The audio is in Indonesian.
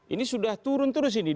ini sudah turun terus ini